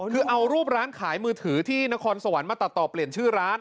คือเอารูปร้านขายมือถือที่นครสวรรค์มาตัดต่อเปลี่ยนชื่อร้าน